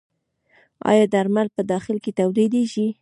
آیا درمل په داخل کې تولیدیږي؟